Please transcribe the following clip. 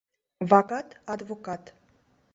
Вакат — адвокат.